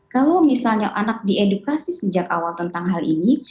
kalau misalnya anak diedukasi sejak awal tentang hal ini